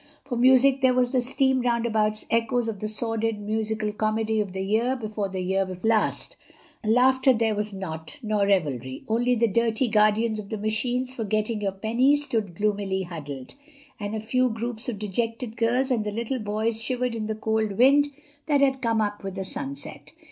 For music there was the steam roundabout's echoes of the sordid musical comedy of the year before the year before last—laughter there was not—nor revelry—only the dirty guardians of the machines for getting your pennies stood gloomily huddled, and a few groups of dejected girls and little boys shivered in the cold wind that had come up with the sunset.